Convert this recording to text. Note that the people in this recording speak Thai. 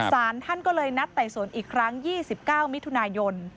สารท่านก็เลยนัดไต่สวนอีกครั้ง๒๙มิถุนายน